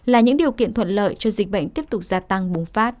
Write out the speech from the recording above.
là những điều kiện thuận lợi cho dịch bệnh tiếp tục gia tăng bùng phát